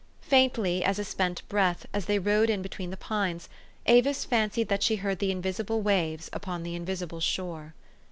Faintly as a spent breath, as they rode in between the pines, Avis fancied that she heard the invisible waves upon the invisible shore.